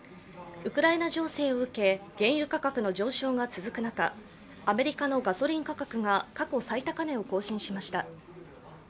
ウクライナ情勢を受け原油価格の上昇が続く中、アメリカのガソリン価格が過去最高値を更新しました。